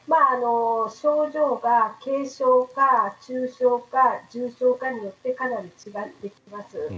症状は軽症か中症か重症かによってかなり違ってきます。